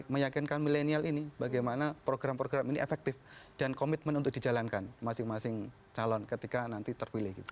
meyakinkan milenial ini bagaimana program program ini efektif dan komitmen untuk dijalankan masing masing calon ketika nanti terpilih gitu